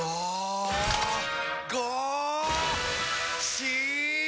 し！